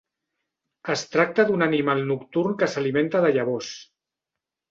Es tracta d'un animal nocturn que s'alimenta de llavors.